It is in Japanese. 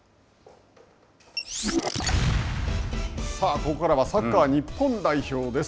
さあ、ここからはサッカー日本代表です。